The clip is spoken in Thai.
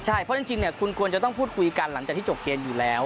ใช่เพราะจริงคุณควรจะต้องพูดคุยกันหลังจากที่จบเกมอยู่แล้ว